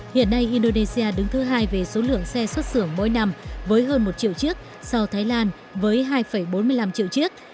hiện nay indonesia đứng thứ hai về số lượng xe xuất xưởng mỗi năm với hơn một triệu chiếc sau thái lan với hai bốn mươi năm triệu chiếc